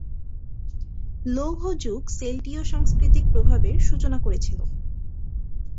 লৌহ যুগ সেল্টীয় সাংস্কৃতিক প্রভাবের সূচনা করেছিল।